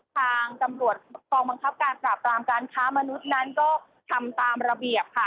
ทางตำรวจกองบังคับการปราบรามการค้ามนุษย์นั้นก็ทำตามระเบียบค่ะ